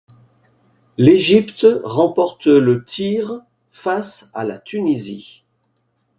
L'Égypte remporte le tire face à la Tunisie.